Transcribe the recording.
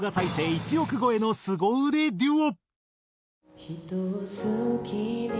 １億超えのすご腕デュオ。